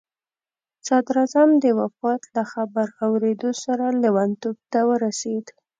صدراعظم د وفات له خبر اورېدو سره لیونتوب ته ورسېد.